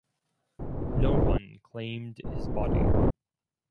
No one claimed his body.